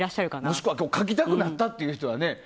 もしくは書きたくなったって人はね